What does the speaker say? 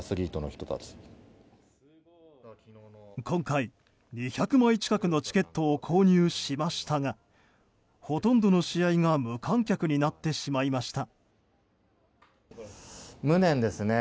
今回、２００枚近くのチケットを購入しましたがほとんどの試合が無観客になってしまいました。